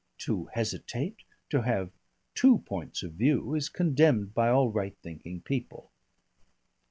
To hesitate, to have two points of view, is condemned by all right thinking people....